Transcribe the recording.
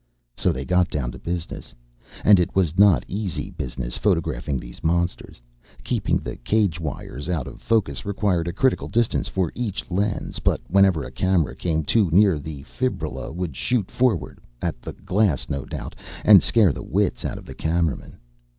So they got down to business. And it was not easy business, photographing these monsters. Keeping the cage wires out of focus required a critical distance for each lens but whenever a camera came too near a fibrilla would shoot forward at the glass, no doubt and scare the wits out of the cameramen.